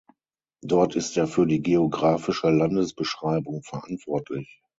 Dort ist er für die geographische Landesbeschreibung verantwortlich.